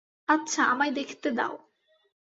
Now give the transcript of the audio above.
আচ্ছা, আমায় দেখতে দাও।